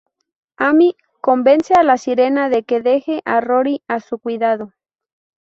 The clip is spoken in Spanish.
Amy convence a la sirena de que deje a Rory a su cuidado.